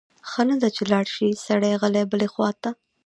ښه نه ده چې لاړ شی سړی غلی بلې خواته؟